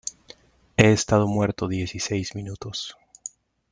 he estado muerto dieciséis minutos .